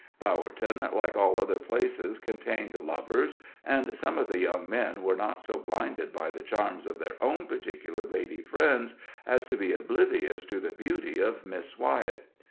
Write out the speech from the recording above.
Bowerton, like all other places, contained lovers, and some of the young men were not so blinded by the charms of their own particular lady friends as to be oblivious to the beauty of Miss Wyett.